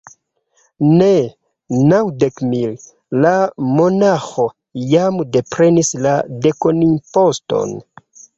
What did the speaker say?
Ne, naŭdek mil: la monaĥo jam deprenis la dekonimposton.